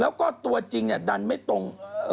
แล้วก็ตัวจริงดันไม่ตรง